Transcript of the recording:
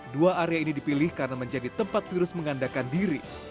dua area ini dipilih karena menjadi tempat virus mengandakan diri